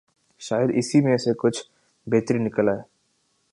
شاید اسی میں سے کچھ بہتری نکل آئے۔